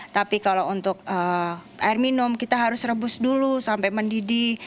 tapi kalau untuk air minum kita harus rebus dulu sampai mendidih